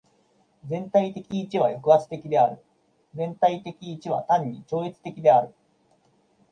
全体的一は抑圧的である。全体的一は単に超越的である。